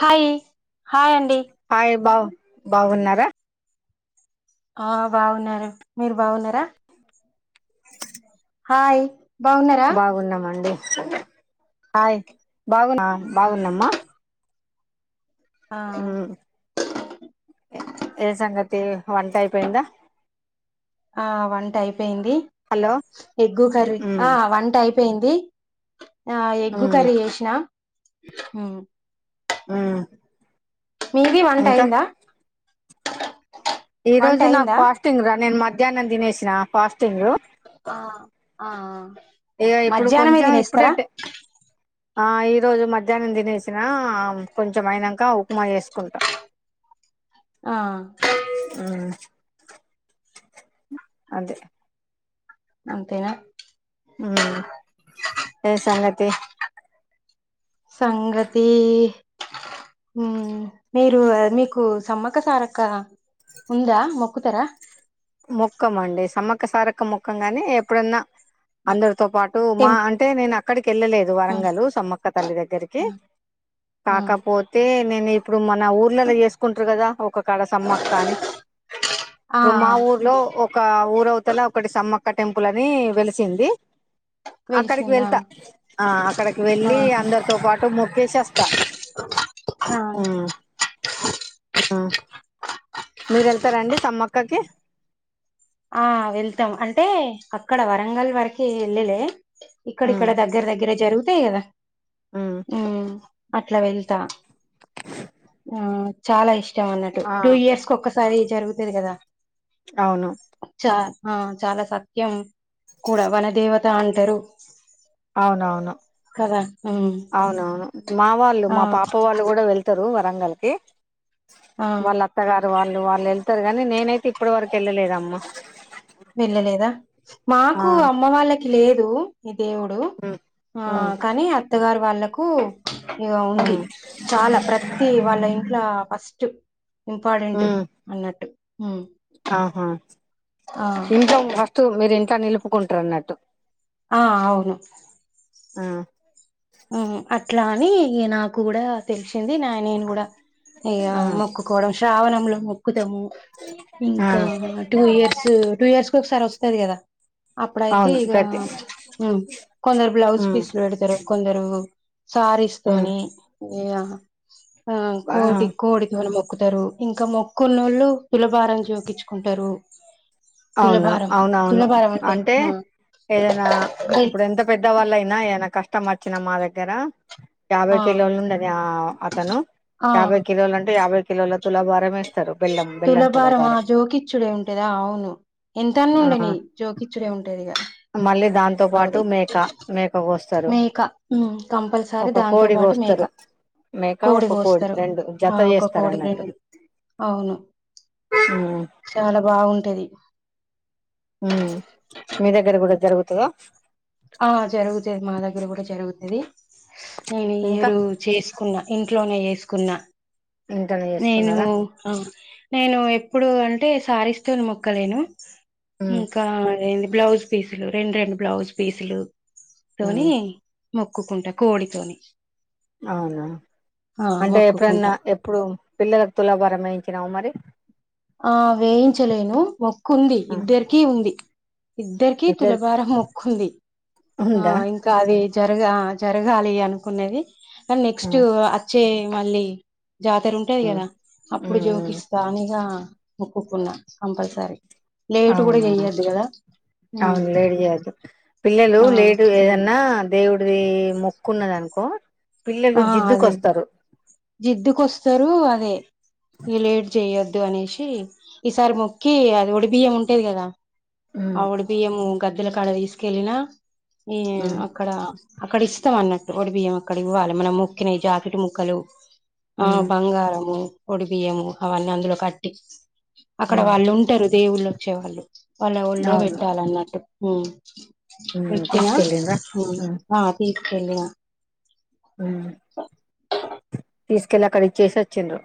Hi hi అండి hi బాగు బాగున్నారా ఆ బాగున్నారు మీరు బాగున్నారా హాయ్ బాగున్నారా బాగున్నామండి సే హాయ్ బాగు బాగుందమ్మా ఆ ఏ సంగతి వంట అయిపోయిందా ఆ వంట అయిపోయింది హలో ఎగ్గు కర్రీ ఉమ్ ఆ వంట అయిపో పెయింది ఆ ఎగ్గు ఉమ్ కర్రీ చేసినా మ్మ్ మ్మ్ మీది వంట అయిందా ఈ వంట రోజు నాకు అయిందా ఫాస్టింగ్ రా నేను మధ్యాహ్నం తినేసిన ఫాస్టింగ్ ఆ ఆ ఇగ ఇప్పుడు మధ్యాహ్నమే కొంచెం ఇప్పుడే తినేస్తారా టే ఆ ఈ రోజు మధ్యాహ్నం తినేసిన కొంచెం అయినాంక ఉప్మా చేసుకుంటా ఆ ఉమ్ అదే అంతేనా ఊ ఏ సంగతి సంగతి మీ మీరు మీకు సమ్మక్క సారక్క ఉందా మొక్కుతార ముక్కం అండి సమ్మక్క సారక్క ముక్కం గాని ఎప్పుడన్నా ఆ, అందరితో పాటు మా టెం అంటే నేను అ వెళ్ళలేదు ఆ వరంగలు సమ్మక్క తల్లి దగ్గరికి ఆ ఆ కాకపోతే నేను ఇప్పుడు మన ఊర్లలో చేసుకుంటరు కదా ఒక కాడ సమ్మక్క అని ఆ, ఇప్పు మా ఊరు లో ఒక ఊరవతల ఒకటి సమ్మక్ క్క టెంపుల్ అని వెలిసింది అక్కడికి వెలిసిందా వెళ్తా ఆ అక్కడికి వెళ్ళి ఆహా అందరితో పాటు మొక్కేసి వస్తా ఆ ఆ మీరు వెళ్తారా అండి సమ్మక్క కి ఆ వెళ్తాం అంటే అక్కడ వరంగల్ వరకి ఎల్లేలే ఉమ్ ఇక్కడిక్కడ దగ్గర దగ్గర జరుగుతాయి కదా ఉమ్ మ్ అట్లా వెళ్తా ఆ చాలా ఇష్ టం అన్నటు ఆ టూ ఇయర్స్ కు ఒక్కస్ సారి జరుగుతది కదా అవును చా ఆ చాలా సత్యం కూడ వాళ్ల దేవత్ త అంటరు అవునవును ఉమ్ అవునవును మా వాళ్ళు ఆ మా పాప వాళ్ళు కూడా వెళ్తరు వా బంగల్కి ఆ వాళ్ళ అత్తగా వాళ్ళు వాళ్ళు వెళ్తరు గాని నేనైతే ఇప్పటి వరకు వెళ్ళలేదమ్మ వెళ్ళలేదా మాకు అమ్మ వాళ్ళ లేదు ఈ దేవుడు ఉమ్ ఆ ఉమ్ కాని అత్తగారు వాళ్ళక్ పు ఇగ ఉంది ఉమ్ చాలా ప్రతి వాళ్ళ ఇంట్లో ఫస్ట్ ఇంపార్టెంట్ ఉమ్, అన్నట్టు హ్మ్ ఆహా ఇంట్లోను వస్తు మీరిన్ అంత నిలుపుకుంటున్నట్టు ఆ అవును ఆ ఉహు ఆ ఇట్లా అని నాకు కూడా తెలిసింది నా నేను కూడా ఇగ మొక్కుకోవడం శ్రావణంలో మొక్కుదము ఆ ఆ ఇంకా టూ ఇయర్స్ టూ ఇయర్స్ కు ఒకసారి వస్తు ఉంటాది కదా అప్పుడు అయితే అవును ఈగ ప్రతి కొందరు బ్లౌజ్ ఉమ్ పీస్లు పెడతారు ఓ సారీస్ ఉమ్ కొని ఏయా ఆ ఆ కోటి కోడి గొనుము మెక్కుతారు ఇంకా మొక్కు నోళ్ళు తులభారం చేపిచ్చుకుంటారు అవునా అవునవును అంటే ఆ ఏదనా ఇప్పుడు ఎంత పెద్దవాళ్ళు అయినా ఏదైనా కష్ట కష్టం వచ్చినా మా దగ్గర యాభై ఆ కిలోలు ఉండది ఆ అతను ఆ యాభై కిలోలు అంటే యాభై కిలోల తులాభారం ఎస్ తులభారమా జోకిచ్చుడే ఉంటదా అవును ఎంత అన్న ఆ ఉండని జోకిచ్చుడే ఉంటది ఇగ మళ్ళీ దాంతో పాటు అది మేక మేక కోస్త్ మేక ఉ కంపల్సరీ దాంతో కోడి పాటు మేక కోస్తారు మేక కోడి ఒక కోస్తారు రెండు జత ఆ ఒక చేస్తారు కోడి అన్నట్టు రెండు అవును ఉమ్ చాలా బాగుంటది ఉ మీ దగ్గర కూడా జరుగుతదా ఆ జరుగుతాది మా దగ్గర కూడా జరుగుతాది నిను ఈ ఇంకా ఇయర్ చేసుకున్నా ఇంట్లోనే చేసుకున్నా ఇంట్లోనే నేను చేసుకున్నారా నేను ఎప్పుడు అంటే సారీస్ లు మొక్కలేను ఉమ్ ఇంకా అదే బ్లౌజ్ పీసులు రెండు రెండు బ్లౌజ్ పీసులు కొని ఉమ్ మొక్కుకుంటా కోడితోని అవునా ఆ అంటే ఎప్పుడన్నా మొక్కుకుంటా ఎప్పుడు పిల్లలకు తులాభర వేయించినావు మరి ఆ వేయించలేను మొక్కుంది ఆ ఇద్దరిక ఉంది ఇద్దరిక ఇద్దరికి తులభారం మొక్కుంది ఆ ఉందా ఇంకా అది జరగా జరగాలి అనుకునేది ఆ నెక్స్ట్ చే మళ్ళీ జాతర ఉంటేది ఆ కదా అప్పుడు ఉమ్ జోకిస్తా అనిగా మొక్కుకున్నా కంపల్సరి అవునా ఉమ్ అవును లేట్ చేయద్దు పిల్లలు ఆ లేటు ఏదన్నా దేవుడిది మొక్కున్నదనుకో పిల్లలు ఆ అదే జిద్దుకొస్తారు జిద్దుకొస్తారు అదే ఈ లేట్ చెయొద్ దు అనేసి ఈసారి మొక్కి అది ఒడి బియ్యం ఉంటేది కదా ఉమ్, ఆ ఒడిబియ్యము గద్దెల కాడ తీసుకెళ్ళిన ఈ ఉమ్, అక్కడ అక్కడ ఇస్తాం అన్నట్టు ఒడి బియ్యం అక్కడ ఇవ్వాలి మనం మొక్కిన ఈ జాకెట్ ముక్కలు ఆ ఉమ్, బంగారము ఒడి బియ్యము అవన్నీ అందులో కట్టి అక్కడ ఉమ్, వాళ్ళు ఉంటారు దేవుళ్ళు వచ్చేవాళ్ళు వాళ్ళ ఒళ్ళో అవును పెట్టాలన్నట్టు హ ఉమ్, పెక్టినా తీసుకెళ్ళిండ్రా ఉమ్, లి అ తీసుకెళ్ళి, అక్కడ ఇచ్చేసి వచ్చిండ్రు.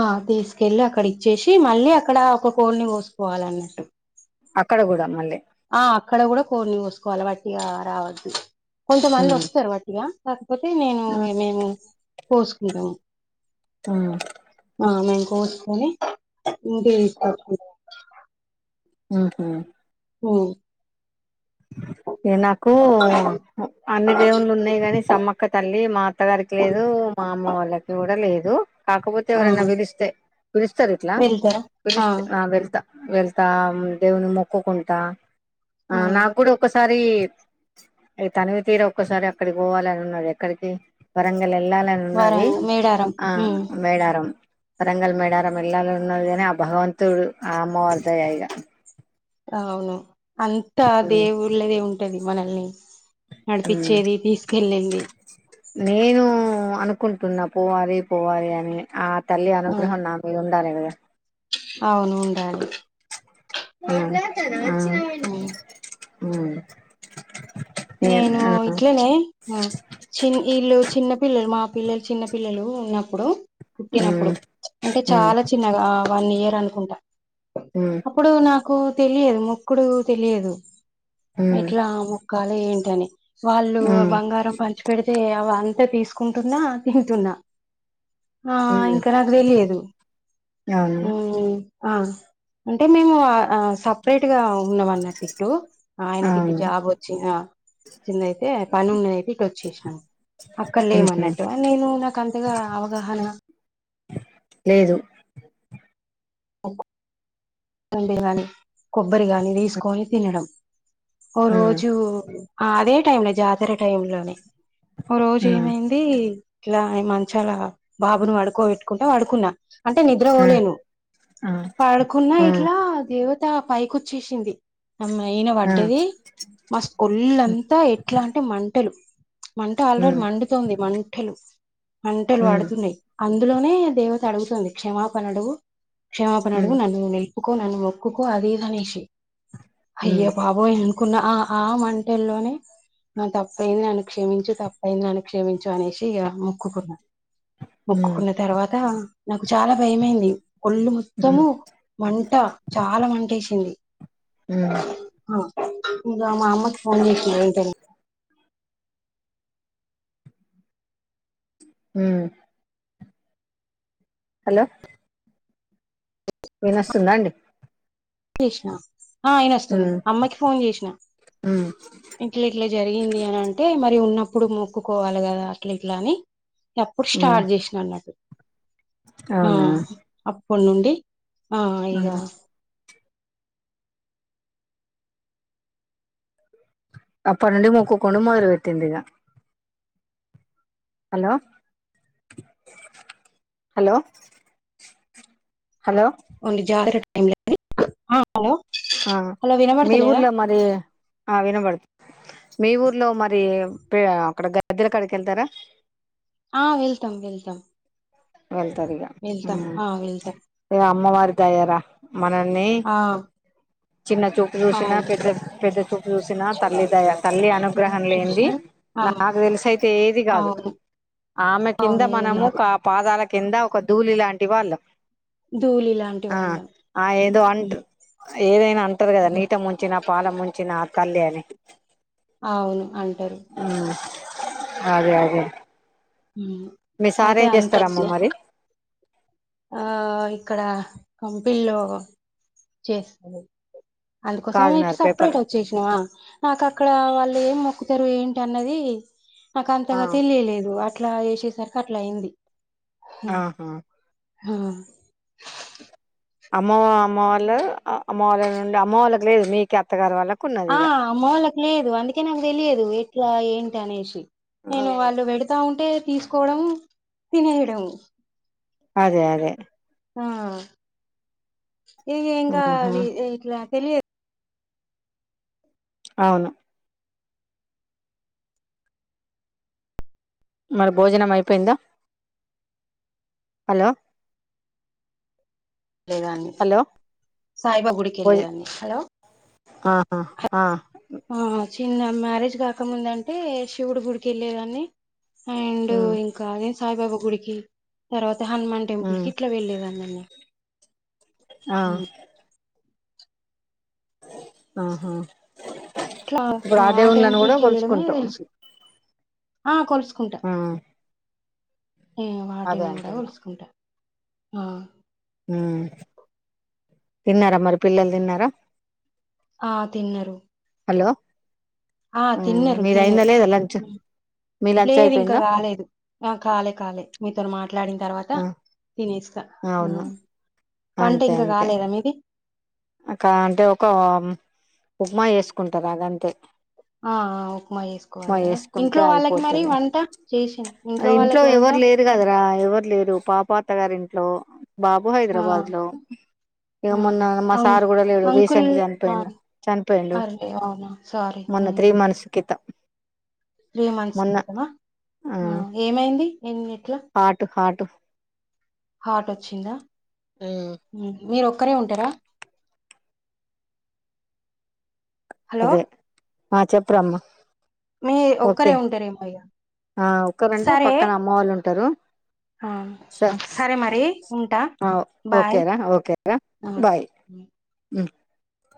ఆ తీసుకెళ్ళి అక్కడ ఇచ్చేసి, మళ్ళీ అక్కడ ఒక కోడ్ని కోసుకోవాలన్నట్టు. అక్కడ గూడ మళ్ళీ. ఆ అక్కడ కూడ కోడ్ని కోసుకోవాలె, వట్టిగా రావద్దు. కొంతమంది ఉమ్, ఒస్తరు వట్టిగా. పోతే, నేను ఉమ్, ఇగ మేము కోస్కుంటము. ఆ ఆ మేం కోస్కొని, ఇంటికి తీస్కచ్చుకుంటం. ఆహా! హ్మ్ ఇగ నాకు అ అన్ని దేవుళ్లు ఉన్నయి గని సమ్మక్క తల్లి మా అత్తగారికి లేదు. మా అమ్మ వాళ్ళకి కూడ లేదు. కాకపోతే ఆ ఎవరనా పిలిస్తే, పిలుస్తరు ఇట్లా. పిలుస్తే ఆ వెళ్తా. వెళ్తా, మ్ దేవున్ని మొక్కుకుంటా. ఆ నాకు కూడా ఒకసారి ఇగ తనివి తీర ఒక్కసారి అక్కడికి పోవాలనున్నది, ఎక్కడికీ వరంగ్ వెల్ ఏళ్లనున్నది, వరంగ మేడారం ఆ ఉమ్ మేడారం. వరంగల్, మేడారం ఎల్లాలనున్నది గని, ఆ భగవంతుడు, ఆ అమ్మవార్దయ ఇగ. అవును. అంతా, ఉమ్ దేవుళ్ళదే ఉంటది. మనల్ని నడిపిచ్చేది, తీస్కేళ్ళింది. నేనూ అనుకుంటున్న పోవాలి, పోవాలి అని ఆ తల్లి ఆ అనుగ్రహం నామీద ఉన్ దానిమీద అవును ఉండాలి. అ ఆ హ్మ్ ఉమ్ నేను ఇట్లనే, చిన్ వీల్లు చిన్న పిల్లలు, మా పిల్లలు చిన్న పిల్లలు ఉన్నప్ ప్పుడు పుట్టినప్పుడు అంటే చాల చిన్నగా, ఆ వన్ ఇయర్. దన్కుంట. అప్పుడు నాక్ కో తెలియదు, మొక్కుడూ తెలియదు. ఎట్లా మొక్ క్కాలె ఏంటని? వాళ్ళు బంగారం పంచి పెడితే, అవంతా తీస్ కుంటున్నా తింటున్నా ఆ ఇంకా నాకు తెలియదు అవును మ్మ్ ఆ అంటే మేము అ సప్ పేట్ గా ఉన్నాం అన్నట్ ఇట్టు ఆయనకి ఇట్టు అవును జాబ్ చిన చిందయితే పను నేనయితే ఇటు వచ్చసినా చేసినాను అక్కడ ఉహు లేమన్నట్టు నేను నాకు అంతగా అవగాహన లేదు [unintelligible] కొబ్బరి గాని తీసుకొని తినడం ఒక ఆ రోజు ఆ అదే టైమ్ లో జాతర టైమ్లోనే ఓ రోజు ఆ ఏమైంది ఇట్లా అయి మంచాలా బాబును పడుకోబెట్టుకుంటా పడుకున్నా అంటే నిద్ర ఆ పోలేను ఆ పడుకున్నా ఇట్లా ఆ అది దేవత ఆ పైకి వచ్చేసింది ఆమేయన ఆ పడ్డది మస్త్ ఉమ్ ఒళ్ళంత ఎట్లా అంటే మంటలు మంట ఆల్రెడీ మండుతోంది మంటలు మంటలు ఉమ్ పడుతున్నాయి అందులోనే దేవత అడుగుతుంది క్షమాపణ అడుగు క్షమాపణ అడుగు ఉమ్ నన్నునే మొక్కు నువ్వు మొక్కుకో అదే మనిషి అయ్య ఉమ్ బాబోయ్ కున్న ఆ ఆ మంటల్లోనే తప్పైంది నన్ను క్షేమించు తప్పయింది నను క్షమించు అనేసి అ మొక్కుకున్నా ఉమ్ మొక్కుకున్న తర్వాత నాకు చాలా భయమైంది ఒళ్ళు ఉమ్ మొత్తము మంట చాలా మంటేసింది ఉమ్ అ ఇగ మా అమ్మ కి ఫోన్ చేసిన వెంటనే హ్మ్ హలో వినస్తుందా అండి తీసినా ఆ ఇనోస్తుంది ఉమ్ అమ్మకి ఫోన్ చేసిన ఉమ్ ఇట్ల్ ఇట్లే జరిగింది అని అంటే మరి ఉన్న ప్పుడు మొక్కుకోవాలి కదా అట్ల ఇట్లా అని అప్పుడు ఉమ్ స్టార్ట్ చేసిన అన్నట్టు అవునా ఆ ప్పుడు నుండి ఆ ఉమ్ ఇగా అప్పటి నుండి మొక్కుకునుడు మొదలు వెట్టిన్రూ ఇంగ హలో హలో హలో ఓళ్ళు జారట్ [unintelligible] ఆ మీ ఊర్లో మరి ఆ వినబడుతున్ మీ ఊర్లో మర్ రి పే అక్కడ గ భద్రకాళి కెళ్తారా ఆహ్ వెళ్తాం వెళ్తాం వెళ్తారు ఇగ వెళ్తాం ఉమ్ ఆ వెళ్తాం ఇగ అమ్మవారి దయరా మనల్ని ఆ చిన్న చూపు చూసిన అవును పెద్దది పెద్దది చూపు చూసిన తల్లి దయ తల్లి అనుగ్రహం కృష్ణ లేంది ఆ నాకు తెలిసైతే ఏది కాదు అవును ఆమె కింద అవును ఏది మనము కాదు కాప్ పాదాల కింద ఒక ధూళి లాంటి వాళ్ళం ధూళి లాంటి ఆ వాళ్ళం ఆ ఏదో అంటర్ ఉమ్. ఏదైనా అంటరు కదా నీట ముంచినా పాల ముంచినా తల్లి అని అవును అంటరు అదే అదే ఉమ్. మీ సార్ అయితే ఏం అంత చేస్తారమ్మ చ- మరీ ఆ ఇక్కడ కంపిన్లో చేస్తారు అందుకోసమే ఇటు కాజునార్ పేపర్ సపరేట్ వచ్చేసినవా నాకు అక్కడ వాళ్ళు ఏం మొక్కు తరు ఏంటి అన్నది నాకు అంతగా తెలియలేదు వాట్ ఇట్లా చేసేసరికి అట్ల అయింది ఆహా ఆహ్ ఆమ్మో అమ్మ వాళ్ళ అమ్మ వాళ్ళ నుండి అమ్మ వాళ్ళకు లేదు మీకే అత్తగారి వాళ్ళక్ ఆ అమ్మ వాళ్ళకి లేదు అందుకే నాకు తెలియదు ఎట్ ఇంకా ఏంటి అనేషి నేను వాళ్ళు వెడతా ఉంటే తీసుకోవడం తినేయడం అదే అదే ఆ ఇగ ఎంగ ఆహా ఆది ఇట్లా తెలియదు అవును మరి భోజనం అయిపోయిందా హలో ఏ దాన్ని హలో సాయిబా గుడికి భోజ వెళ్ళేదాన్ని హలో ఆ ఆద్ చిన్న మ్యారేజ్ గాకముందంటే శివుడు గుడికి వెళ్లే దాన్ని అండ్ ఉమ్ ఇంకా అదే సాయిబాబా గుడికి తర్వాత హనుమాన్ టెంపుల్ ఉమ్ కి ఇట్లా వెళ్లేదాన్ని అన్ని ఆ ఆహా అట్లా ఇప్పుడు ఆ దేవుళ్ళని టెంపుల్ కూడా కి వెళ్ళడమే కొలుచుకుంటాం తెలుసు ఆ కోలుసుకుంటా ఉమ్ నే అదే వాటిని గూడ అంటున్నా కోలుసుకుంటారు ఆ హ్మ్ తిన్నారా మరి పిల్లలు తిన్నారా ఆ తిన్నరు హలో ఆ ఉమ్ తిన్నారు మీది అయిందా తిన్నారు లేదా లంచ్ మీ లంచ్ లేదు ఇంకా అయిపోయిందా కాలేదు ఆ కాలే కాలే మీతోని మాట్ మాట్లాడిన్ తర్వాత ఆ తినేస్తా ఆ! అవును వంట ఇంకా గలేదా మీది అక్క అంటే ఒక ఉప్మా వేసుకుంటారు అదంతే ఆ ఉప్మా ఉప్మా చేసుకోవాలి గదా చేసుకుంటే ఇంట్లో వాళ్ళకి మరి అయిపోతది వంట చేసిం ఇంట్లో వాళ్ళకి వంట అత్తగారింట్లో బాబు ఆ హైదరాబాద్ లో ఇగ ఆ మొన్న మస్ అం సార్ గూడ లేడు అంకుల్ రీసెంట్ ఆ చనిపోయిండు చనిపోయిండు అర్రే అవునా మొన్న త్రీ మంత్స్ కిత త్రీ మంత్స్ క్రితమా ఏమైంది హాట్ హాట్ హార్ట్ వచ్చిందా మీరు ఒక ఒకరే ఉంటారా హలో అదే ఆ చెప్ప్రమ్మ మీ ఓకే ఒక్కరే ఉంటారేమో ఇగ. ఆ ఒకరంటే సరే పక్కన అమ్మ వాళ్ళు ఉంటారు ఆ! సరే మరి ఉంటా. బాయ్. ఓకేరా ఓకేరా ఆ! బాయ్ హ్మ్. ఆ